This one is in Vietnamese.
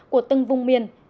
của từng vùng miền